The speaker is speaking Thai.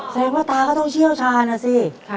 แสดงว่าตาก็ต้องเชี่ยวชาญนะสิ